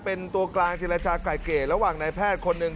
เป็นตัวกลางเจรจาก่ายเกรดระหว่างนายแพทย์คนหนึ่ง